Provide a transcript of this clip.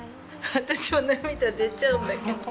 私は涙出ちゃうんだけど。